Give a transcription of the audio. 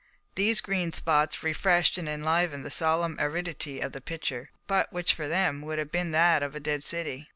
These green spots refreshed and enlivened the solemn aridity of the picture, which but for them would have been that of a dead city.